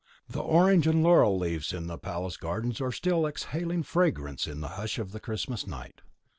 The orange and laurel leaves in the palace gardens are still exhaling fragrance in the hush of the Christmas night.